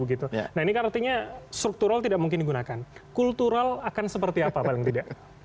nah ini kan artinya struktural tidak mungkin digunakan kultural akan seperti apa paling tidak